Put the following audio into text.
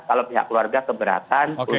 kalau pihak keluarga keberatan untuk dipakai